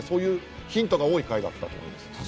ヒントが多い回だったと思います。